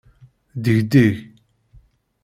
Ddegdeg.